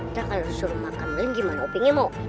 ntar kalau suruh makan beli gimana opengnya mau